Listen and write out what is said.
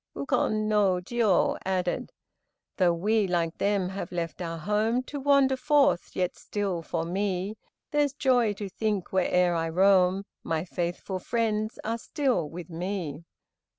Ukon no Jiô added: "Though we, like them, have left our home To wander forth, yet still for me There's joy to think where'er I roam My faithful friends are still with me."